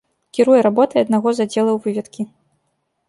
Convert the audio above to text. Кіруе работай аднаго з аддзелаў выведкі.